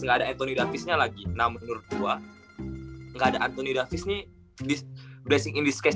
nggak ada anthony davis nya lagi namun menurut gua nggak ada anthony davis nih blessing in this case